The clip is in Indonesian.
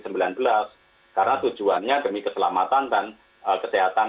karena tujuannya demi keselamatan dan kesehatan anak anak